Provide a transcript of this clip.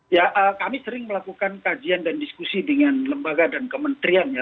ya kami sering melakukan kajian dan diskusi dengan lembaga dan kementerian ya